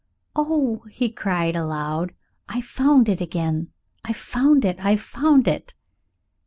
"Oh!" he cried aloud, "I've found it again! I've found it! I've found it!"